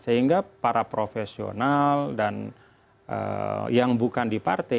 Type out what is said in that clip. sehingga para profesional dan yang bukan di partai